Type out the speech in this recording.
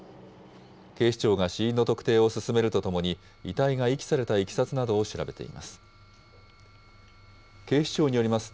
警視庁が死因の特定を進めるとともに、遺体が遺棄されたいきさつなどを調べています。